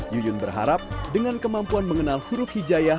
yuyun berharap dengan kemampuan mengenal huruf hijaya